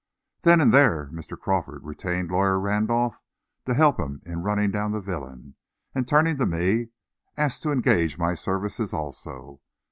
Then and there, Mr. Crawford retained Lawyer Randolph to help him in running down the villain, and, turning to me, asked to engage my services also.